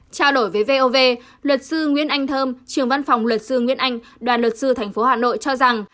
trao đổi với vov luật sư nguyễn anh thơm trường văn phòng luật sư nguyễn anh đoàn luật sư tp hà nội cho rằng